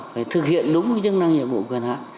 phải thực hiện đúng chức năng nhiệm vụ quyền hạn